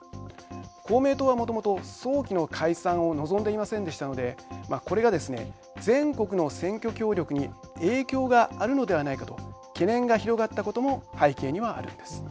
公明党はもともと早期の解散を望んでいませんでしたのでこれがですね、全国の選挙協力に影響があるのではないかと懸念が広がったことも背景にはあるんです。